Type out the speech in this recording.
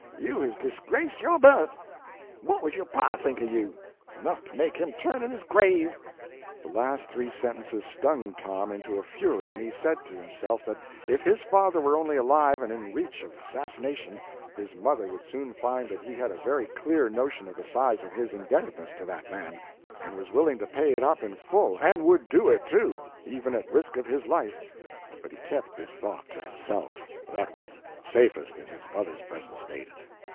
You has disgraced yo' birth. What would yo' pa think o' you? It's enough to make him turn in his grave." The last three sentences stung Tom into a fury, and he said to himself that if his father were only alive and in reach of assassination his mother would soon find that he had a very clear notion of the size of his indebtedness to that man, and was willing to pay it up in full, and would do it too, even at risk of his life; but he kept this thought to himself; that was safest in his mother's present state.